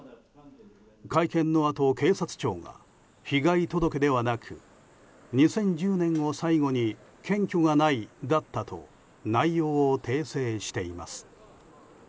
会見のあと警察庁が被害届ではなく２０１０年を最後に検挙がないだったと内容を訂正しています。